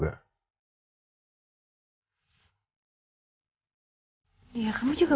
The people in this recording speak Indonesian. b antaripada hyuk termanair jaman metro tenggara